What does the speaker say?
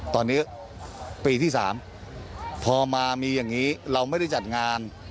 ตอนนี้ปีที่๓พอมามีอย่างนี้เราไม่ได้จัดงาน